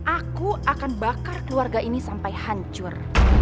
aku akan bakar keluarga ini sampai hancur